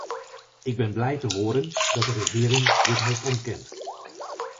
Ik ben blij te horen dat de regering dit heeft ontkend.